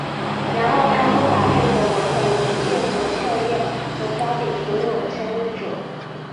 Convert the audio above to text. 然后他们把这个文本文件和校验和发给所有参与者。